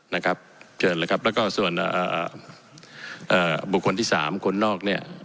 นะครับเชิญเลยครับแล้วก็ส่วนบุคคลที่สามคนนอกเนี่ย